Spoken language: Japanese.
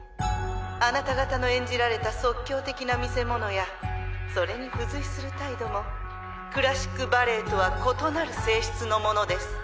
あなた方の演じられた即興的な見せ物やそれに付随する態度もクラシックバレエとは異なる性質のものです。